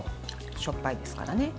しょっぱいですからね。